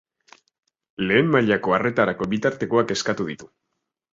Lehen mailako arretarako bitartekoak eskatu ditu.